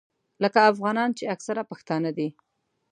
لکه افغانان چې اکثره پښتانه دي.